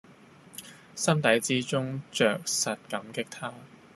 心底之中著實感激他